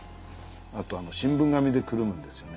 後はもう新聞紙でくるむんですよね。